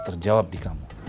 terjawab di kamu